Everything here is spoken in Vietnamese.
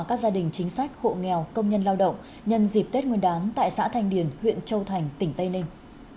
các gia đình chính sách hộ nghèo công nhân lao động nhân dịp tết nguyên đáng tại xã thành điển huyện châu thành tỉnh tây ninh